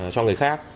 cho người khác